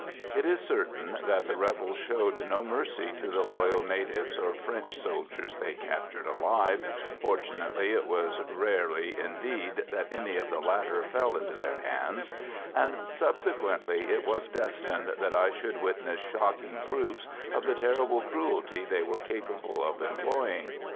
It is certain that the rebels showed no mercy to the loyal natives or French soldiers they captured alive (fortunately it was rarely, indeed, that any of the latter fell into their hands), and subsequently it was destined that I should witness shocking proofs of the terrible cruelty they were capable of employing.